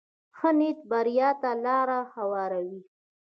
ښه نیت بریا ته لاره هواروي.